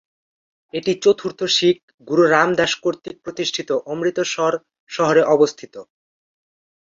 এটি চতুর্থ শিখ গুরু রাম দাস কর্তৃক প্রতিষ্ঠিত অমৃতসর শহরে অবস্থিত।